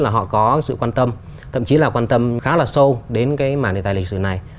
là họ có sự quan tâm thậm chí là quan tâm khá là sâu đến cái mảng đề tài lịch sử này